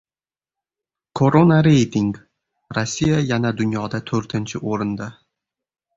Koronareyting: Rossiya yana dunyoda to‘rtinchi o‘rinda